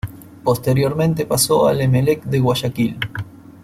Posteriormente pasó al Emelec de Guayaquil.